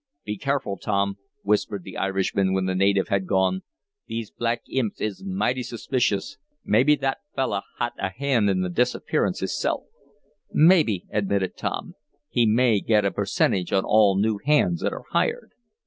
"Be careful, Tom," whispered the Irishman, when the native had gone. "These black imps is mighty suspicious. Maybe thot fellah had a hand in th' disappearances hisself." "Maybe," admitted Tom. "He may get a percentage on all new hands that are hired."